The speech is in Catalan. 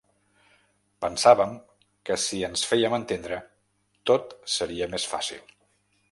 Pensàvem que si ens fèiem entendre, tot seria més fàcil.